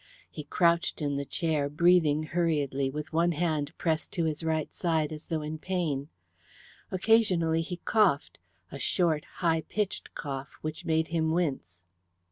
He crouched in the chair breathing hurriedly, with one hand pressed to his right side, as though in pain. Occasionally he coughed: a short, high pitched cough, which made him wince.